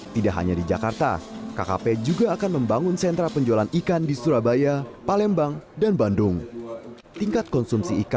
tidak hanya di jakarta kkp juga akan membangun sentra penjualan ikan bertaraf internasional di indonesia